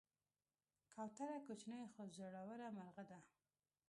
کوتره کوچنۍ خو زړوره مرغه ده.